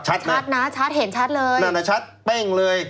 ชัดชัดนะชัดเห็นชัดเลยนั่นน่ะชัดเป้งเลย